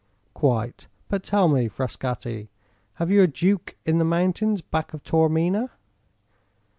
"Quite. But, tell me, Frascatti, have you a duke in the mountains back of Taormina?"